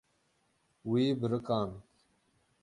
Wî biriqand.